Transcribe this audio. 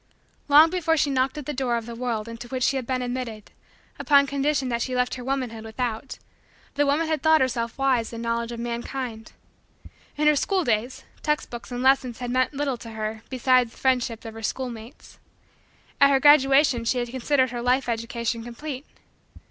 Long before she knocked at the door of the world into which she had been admitted, upon condition that she left her womanhood without, the woman had thought herself wise in knowledge of mankind. In her school days, text books and lessons had meant little to her beside the friendship of her schoolmates. At her graduation she had considered her life education complete.